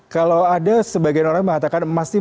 kalau ada sebagian orang yang mengatakan emas ini